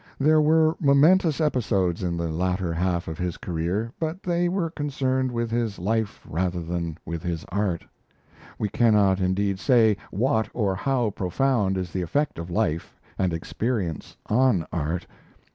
There were momentous episodes in the latter half of his career; but they were concerned with his life rather than with his art. We cannot, indeed, say what or how profound is the effect of life and experience on art.